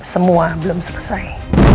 semua belum selesai